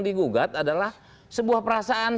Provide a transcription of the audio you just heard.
digugat adalah sebuah perasaan